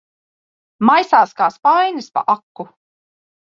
Maisās kā spainis pa aku.